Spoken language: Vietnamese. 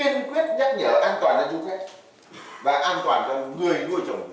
kiên quyết nhắc nhở an toàn cho du khách và an toàn cho người nuôi trồng